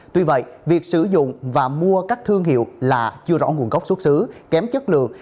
tuy vậy việc sử dụng và mua các thương hiệu là chưa rõ nguồn gốc xuất xứ kém chất lượng